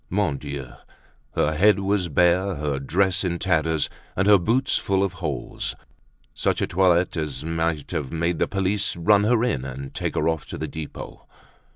Mon Dieu! her head was bare, her dress in tatters, and her boots full of holes—such a toilet as might have led the police to run her in, and take her off to the Depot.